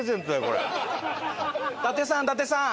伊達さん伊達さん！